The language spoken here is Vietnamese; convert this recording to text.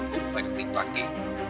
cũng phải được tính toàn kỷ